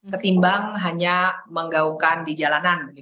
ketimbang hanya menggaungkan di jalanan